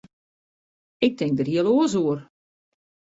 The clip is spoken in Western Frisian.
Ik tink der heel oars oer.